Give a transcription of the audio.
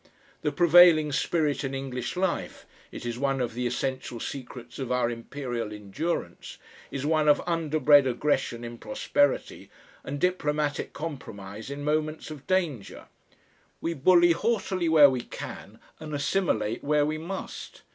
The prevailing spirit in English life it is one of the essential secrets of our imperial endurance is one of underbred aggression in prosperity and diplomatic compromise in moments of danger; we bully haughtily where we can and assimilate where we must.